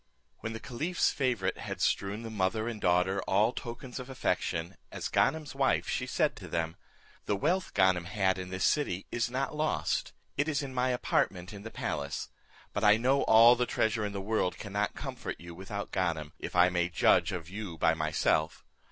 When the caliph's favourite had strewn the mother and daughter all tokens of affection, as Ganem's wife, she said to them, "The wealth Ganem had in this city is not lost, it is in my apartment in the palace; but I know all the treasure of the world cannot comfort you without Ganem, if I may judge of you by myself.